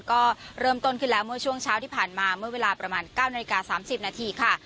ก็เริ่มต้นขึ้นแล้วเมื่อช่วงเช้าที่ผ่านมาเมื่อเวลาประมาณ๙นาฬิกา๓๐นาทีค่ะ